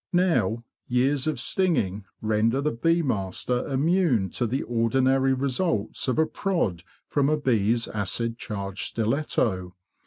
Now, years of stinging render the bee master immune to the ordinary results of a prod from a bee's acid charged stiletto.